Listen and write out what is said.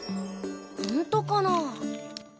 ほんとかなあ？